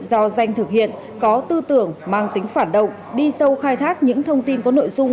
do danh thực hiện có tư tưởng mang tính phản động đi sâu khai thác những thông tin có nội dung